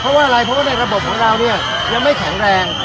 เพราะว่าอะไรเพราะว่าในระบบของเราเนี่ยยังไม่แข็งแรง